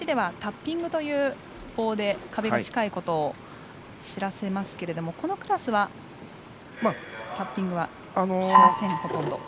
Ｓ１１ではタッピングという棒で壁が近いことを知らせますけれどもこのクラスはタッピングはしません、ほとんど。